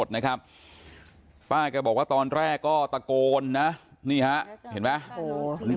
ติดเตียงได้ยินเสียงลูกสาวต้องโทรศัพท์ไปหาคนมาช่วย